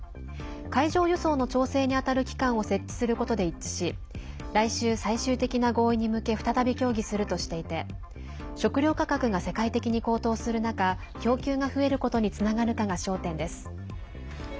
海上輸送の調整に当たる機関を設置することで一致し来週、最終的な合意に向け再び協議するとしていて食料価格が世界的に高騰する中供給が増えることにつながるかが焦点です。